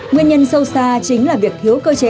nguyên nhân sâu xa chính là việc thiếu cơ chế